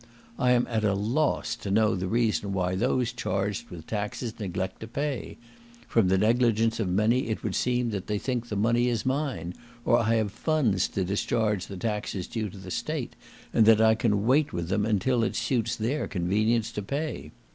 I am at a loss to know the reason why those charged with taxes neglect to pay; from the negligence of many it would seem that they think the money is mine, or I have funds to discharge the taxes due to the State, and that I can wait with them until it suits their convenience to pay.